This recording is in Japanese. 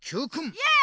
イエーイ！